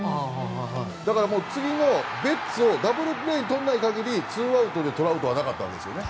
だから、次のベッツをダブルプレーにとらない限りツーアウトでトラウトはなかったんですよね。